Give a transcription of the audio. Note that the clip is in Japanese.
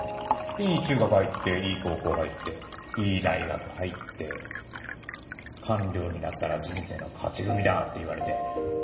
いい中学入っていい高校入っていい大学入って官僚になったら人生の勝ち組だって言われて。